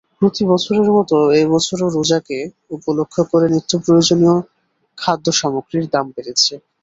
প্রতিবছরের মতো এ বছরও রোজাকে উপলক্ষ করে নিত্যপ্রয়োজনীয় খাদ্যসামগ্রীর দাম বেড়েছে।